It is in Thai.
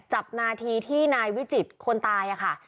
จับนาทีที่นายวิจิตรคนตายค่ะ